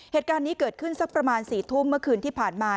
เหตุการณ์นี้เกิดขึ้นสักประมาณ๔ทุ่มเมื่อคืนที่ผ่านมา